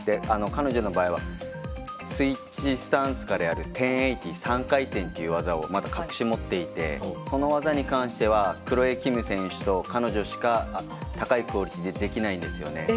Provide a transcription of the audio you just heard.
彼女の場合はスイッチスタンスからやる１０８０３回転という技をまだ隠し持っていてその技に関してはクロエ・キム選手と彼女しか高いクオリティーでできないんですよね。